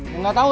ya gak tahu